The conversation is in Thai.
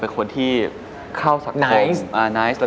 ประสิทธิภาพสะทานเลยเลย